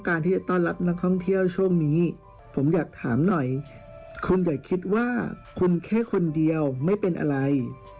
คุณอย่าคิดว่าคุณแค่คนเดียวไม่เป็นอะไร